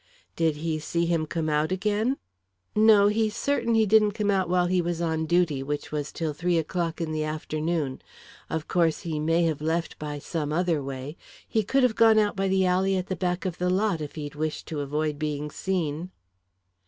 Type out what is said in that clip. "Did he see him come out again?" "No he's certain he didn't come out while he was on duty, which was till three o'clock in the afternoon. Of course, he may have left by some other way. He could have gone out by the alley at the back of the lot, if he'd wished to avoid being seen."